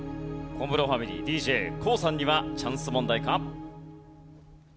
小室ファミリーＤＪＫＯＯさんにはチャンス問題か？